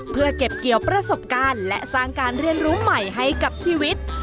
เพื่อเก็บเกี่ยวประสบการณ์และสร้างการเรียนรู้ใหม่ให้กับชีวิต